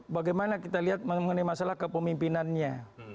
bagaimana kita lihat mengenai masalah kepemimpinannya